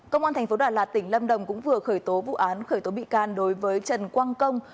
công an tp đà lạt tỉnh lâm đồng cũng vừa khởi tố vụ án khởi tố bị can đối với trần quang công